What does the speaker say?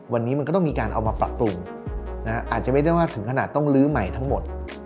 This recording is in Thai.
วันนี้มันก็ต้องมีการเอามาปรับปรุงอาจจะไม่ได้ว่าถึงขนาดต้องลื้อใหม่ทั้งหมด